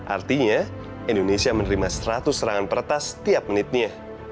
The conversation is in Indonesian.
artinya indonesia menerima seratus serangan peretas setiap menitnya